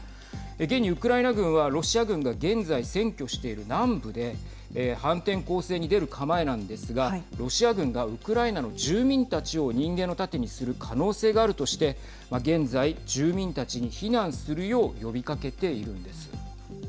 現にウクライナ軍はロシア軍が現在占拠している南部で反転攻勢に出る構えなんですがロシア軍がウクライナの住民たちを人間の盾にする可能性があるとして現在、住民たちに避難するよう呼びかけているんです。